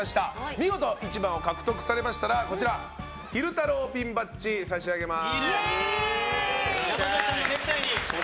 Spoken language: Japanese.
見事１位を獲得されましたら昼太郎ピンバッジ差し上げます。